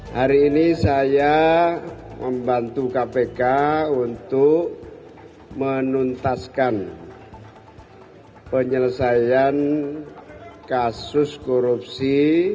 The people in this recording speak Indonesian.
hari ini saya membantu kpk untuk menuntaskan penyelesaian kasus korupsi